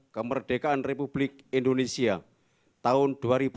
kemerdekaan republik indonesia tahun dua ribu delapan belas